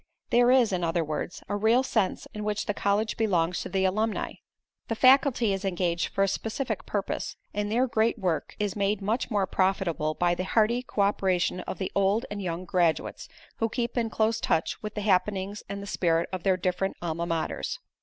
There is, in other words, a real sense in which the college belongs to the alumni. The faculty is engaged for a specific purpose and their great work is made much more profitable by the hearty co operation of the old and young graduates who keep in close touch with the happenings and the spirit of their different alma maters.